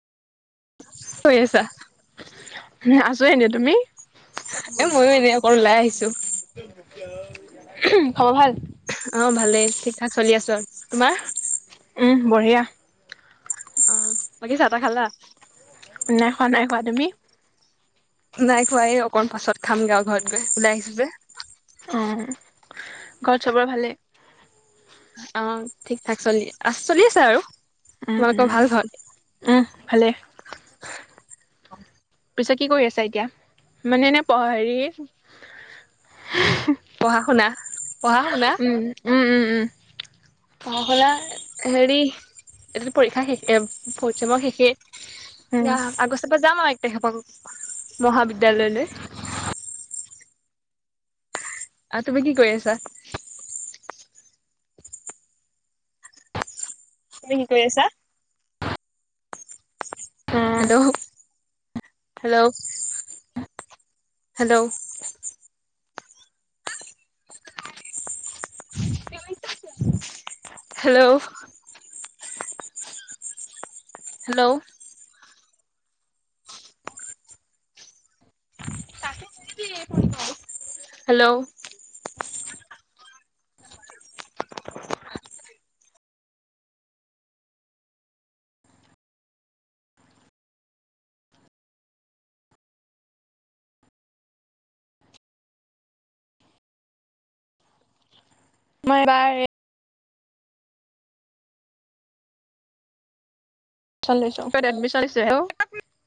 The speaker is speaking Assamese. কি কৰি আছা। আছো এনে তুমি। এ মইয়ো এনেই অকন ওলাই আহিছো। ওম খবৰ ভাল। অ ভালেই ঠিক থাক চলি আছো আৰু তোমাৰ। উম বঢ়িয়া। অ বাকী চাহ তাহ খালা। নাই খোৱা নাই খোৱা তুমি। নাই খোৱা এই অকন পাছত খাম গে আও ঘৰত গৈ ওলাই আহিছো যে। অ ঘৰত চবৰে ভাল অ ঠিক ঠাক চলি আ চলি আছে আৰু। উম তোমালোকৰ হুম ভাল ঘৰত? উম ভালেই। পিছে কি কৰি আছা এতিয়া মানে এনে হেৰি পঢ়া শুনা পঢ়া শুনা। উম উম উম উম। পঢ়া শুনা হেৰি এ পৰীক্ষা শেষে পৰিশ্ৰমা শেষে। উম য়া আগষ্টৰ পৰা যাম আৰু এক তাৰিখৰ পৰা মহাবিদ্যালয়লৈ। আৰু তুমি কি কৰি আছা। তুমি কি কৰি আছা। অ hello hello hello hello hello hello মই এইবাৰ এডমিশ্যন লৈছো কত এডমিশ্যন হৈছে হেল্ল